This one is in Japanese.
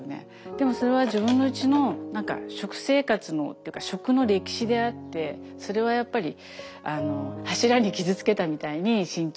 でもそれは自分のうちの食生活のっていうか食の歴史であってそれはやっぱり柱に傷つけたみたいに身長の。